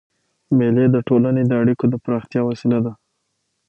مېلې د ټولني د اړیکو د پراختیا وسیله ده.